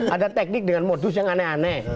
ada teknik dengan modus yang aneh aneh